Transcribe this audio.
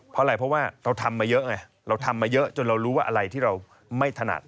เพราะอะไรเพราะว่าเราทำมาเยอะไงเราทำมาเยอะจนเรารู้ว่าอะไรที่เราไม่ถนัด